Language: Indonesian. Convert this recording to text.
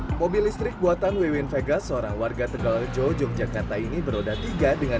hai mobil listrik buatan wewin vegas seorang warga tegal jogjakarta ini beroda tiga dengan